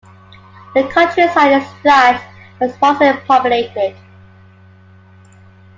The countryside is flat and sparsely populated.